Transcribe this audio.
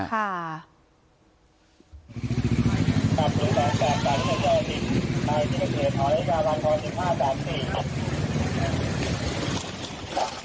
หอนูลลี่กาวันห่อสิบห้าแปปสี่